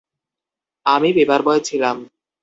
আমি পেপারবয় ছিলাম।